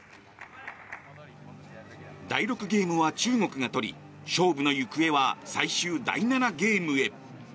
第６ゲームは中国がとり勝負の行方は最終第７ゲームへ。